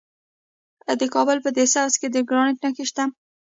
د کابل په ده سبز کې د ګرانیټ نښې شته.